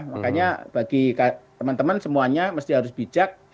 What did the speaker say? makanya bagi teman teman semuanya mesti harus bijak